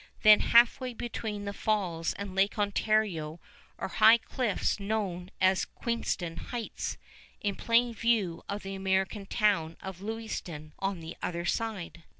Then halfway between the Falls and Lake Ontario are high cliffs known as Queenston Heights, in plain view of the American town of Lewiston on the other side.